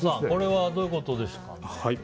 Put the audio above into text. これはどういうことですかね。